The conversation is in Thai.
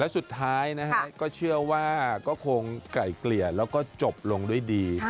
สุดท้ายนะฮะก็เชื่อว่าก็คงไก่เกลี่ยแล้วก็จบลงด้วยดี